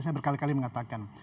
saya berkali kali mengatakan